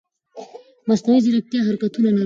مصنوعي ځیرکتیا حرکتونه نرموي.